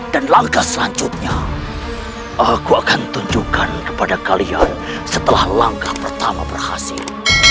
dan langkah selanjutnya aku akan tunjukkan kepada kalian setelah langkah pertama berhasil